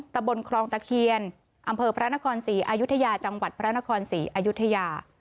ตะบนครองตะเคียนอำเภอพระนครศรีอายุทยาจังหวัดพระนครศรีอายุทยา